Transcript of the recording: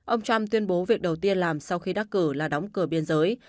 ông trump tuyên bố việc đầu tiên làm sau khi đắc cử là đóng cửa biên giới